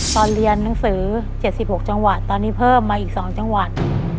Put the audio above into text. ตอนเรียนหนังสือ๗๖จังหวัดตอนนี้เพิ่มมาอีก๒จังหวัด